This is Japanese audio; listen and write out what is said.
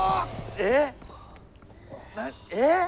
えっ？えっ？